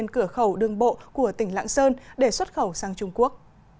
tại lạng sơn để xuất khẩu sang trung quốc